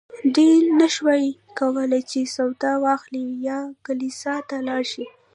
دوی نه شوای کولی چې سودا واخلي یا کلیسا ته لاړ شي.